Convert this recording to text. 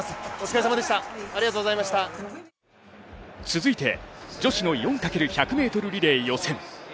続いて、女子の４×１００ｍリレー予選。